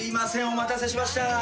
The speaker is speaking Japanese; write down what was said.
お待たせしました。